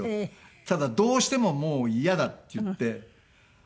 ただどうしても「もうイヤだ」って言って。